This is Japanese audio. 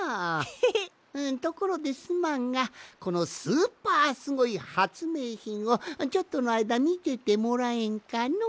ところですまんがこのスーパーすごいはつめいひんをちょっとのあいだみててもらえんかのう？